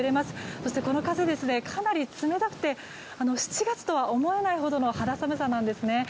そして、この風かなり冷たくて７月とは思えないほどの肌寒さなんですね。